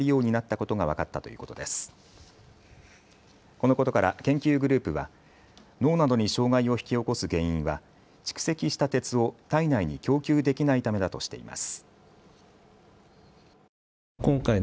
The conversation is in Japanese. このことから研究グループは脳などに障害を引き起こす原因は蓄積した鉄を体内に供給できないためだとしています。